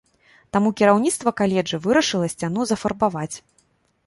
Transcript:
Таму кіраўніцтва каледжа вырашыла сцяну зафарбаваць.